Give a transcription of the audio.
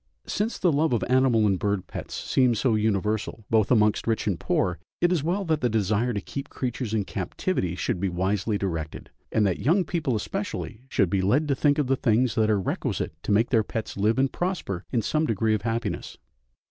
Since the love of animal and bird pets seems so universal, both amongst rich and poor, it is well that the desire to keep creatures in captivity should be wisely directed, and that young people especially should be led to think of the things that are requisite to make their pets live and prosper in some degree of happiness.